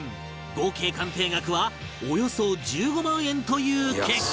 合計鑑定額はおよそ１５万円という結果に